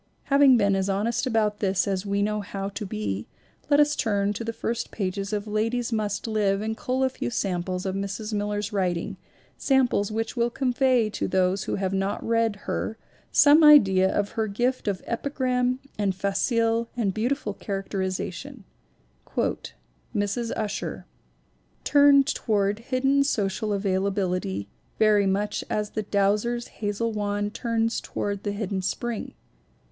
Having been as honest about this as we know how to be, let us turn to the first pages of Ladies Must Live and cull a few samples of Mrs. Miller's writing, sam ples which will convey to those who have not read her some idea of her gift of epigram and facile and beau tiful characterization: "Mrs. Ussher ... turned toward hidden social availability very much as the douser's hazel wand turns toward the hidden spring.